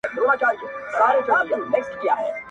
چې لېونو کې ځان هوښیار وګڼم